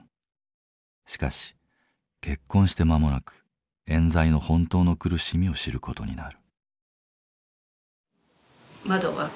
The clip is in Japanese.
しかし結婚して間もなくえん罪の本当の苦しみを知る事になる。